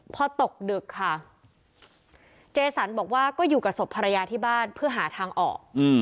พอตกดึกค่ะเจสันบอกว่าก็อยู่กับศพภรรยาที่บ้านเพื่อหาทางออก